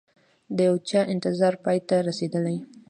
د یوچا انتظار پای ته رسیدلي